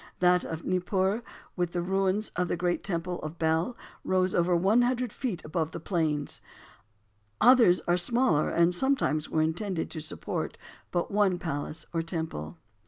That of Nippur, with the ruins of the great temple of Bel, rose over one hundred feet above the plain. Others are smaller, and sometimes were intended to support but one palace or temple.